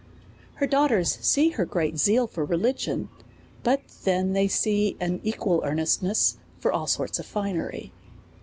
Her daughters see her great zeal for religion, but then they see an equal earnestness for all sorts of finery.